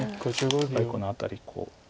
やっぱりこのあたり。